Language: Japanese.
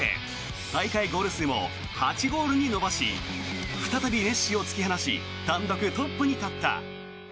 大会ゴール数も８ゴールに伸ばし再びメッシを突き放し単独トップに立った。